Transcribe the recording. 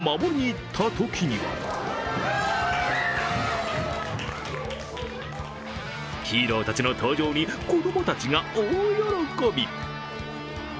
先月、こども食堂の平和を守りにいったときにはヒーローたちの登場に子供たちが大喜び。